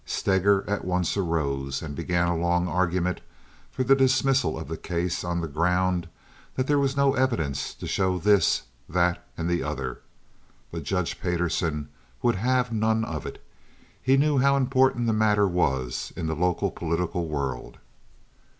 Steger at once arose and began a long argument for the dismissal of the case on the ground that there was no evidence to show this, that and the other, but Judge Payderson would have none of it. He knew how important the matter was in the local political world.